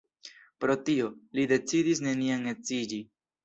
Pro tio, li decidis neniam edziĝi.